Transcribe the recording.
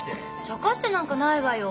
茶化してなんかないわよ。